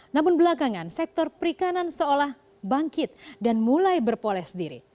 namun belakangan sektor perikanan seolah bangkit dan mulai berpoles diri